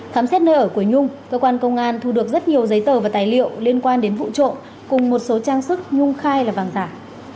khám xét nơi ở của nhung cơ quan công an thu được rất nhiều giấy tờ và tài liệu liên quan đến vụ trộm cùng một số trang sức nhung khai là vàng giả